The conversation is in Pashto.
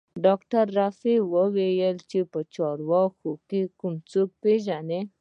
ډاکتر رفيع الله وويل چې په چارواکو کښې کوم څوک پېژني.